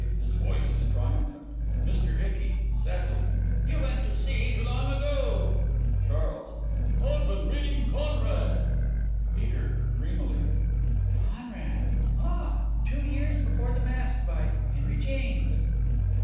(His voice is triumphant.) MR. ICKY: (Sadly) You went to seed long ago. CHARLES: I've been reading "Conrad." PETER: (Dreamily) "Conrad," ah! "Two Years Before the Mast," by Henry James.